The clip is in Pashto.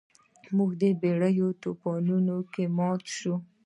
زموږ بیړۍ په طوفان کې ماته شوه.